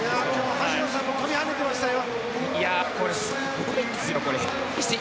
萩野さんも飛び跳ねてましたね。